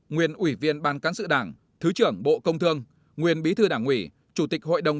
nguyên ủy viên ban cán sự đảng thứ trưởng bộ công thương nguyên bí thư đảng ủy chủ tịch hội đồng